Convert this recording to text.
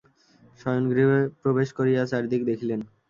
শয়নগৃহে প্রবেশ করিয়া চারিদিক দেখিলেন।